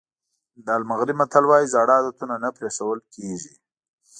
د المغرب متل وایي زاړه عادتونه نه پرېښودل کېږي.